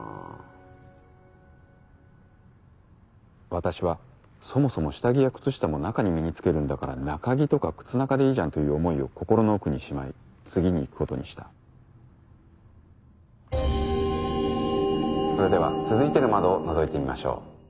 私はそもそも下着や靴下も中に身に着けるんだから中着とか靴中でいいじゃんという思いを心の奥にしまい次に行くことにしたそれでは続いての窓をのぞいてみましょう。